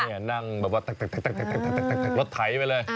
นี่นั่งแบบว่ารถไถไปเลย